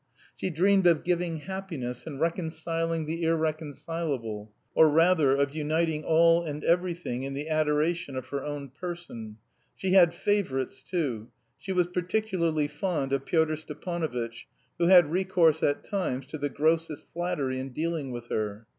She dreamed of "giving happiness" and reconciling the irreconcilable, or, rather, of uniting all and everything in the adoration of her own person. She had favourites too; she was particularly fond of Pyotr Stepanovitch, who had recourse at times to the grossest flattery in dealing with her.